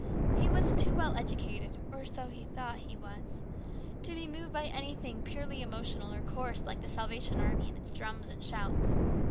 He was too well educated, or he thought he was, to be moved by anything purely emotional or coarse like the Salvation Army and its drums and shouts.